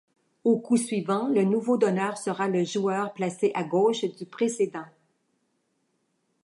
Au coup suivant, le nouveau donneur sera le joueur placé à gauche du précédent.